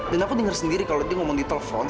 dan aku dengar sendiri kalau dia ngomong di telepon